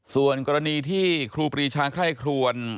ส่วนกรณีที่ครูปิชาไข้ครวล